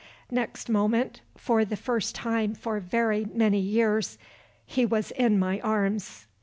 _ Next moment, for the first time for very many years, he was in my arms.